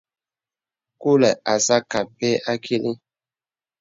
Kùlə̀ asə̄ akɛ̂ apɛ akìlì.